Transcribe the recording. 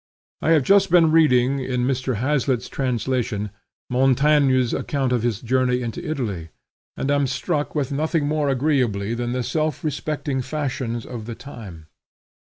I have just been reading, in Mr. Hazlitt's translation, Montaigne's account of his journey into Italy, and am struck with nothing more agreeably than the self respecting fashions of the time.